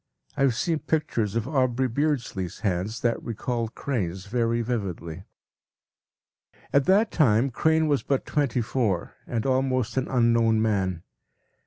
I have seen pictures of Aubrey Beardsley’s hands that recalled Crane’s very vividly. At that time Crane was but twenty four, and almost an unknown man.